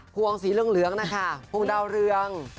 ขวงศรีเลืองนะคะโครงเตาเรือง